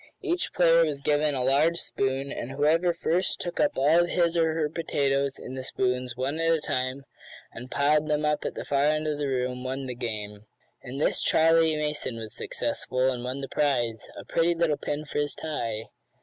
Each player was given a large spoon, and whoever first took up all his or her potatoes in the spoons one at a time, and piled them up at the far end of the room, won the game. In this Charley Mason was successful, and won the prize a pretty little pin for his tie.